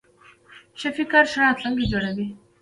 ښه فکر ښه راتلونکی جوړوي.